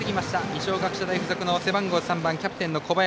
二松学舎大付属の背番号３番のキャプテンの小林。